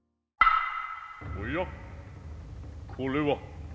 おやこれは。